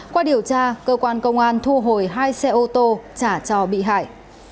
qua điều tra cơ quan công an thu hồi hai xe ô tô trả cho bị hại